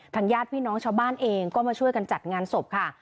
ญาติพี่น้องชาวบ้านเองก็มาช่วยกันจัดงานศพค่ะ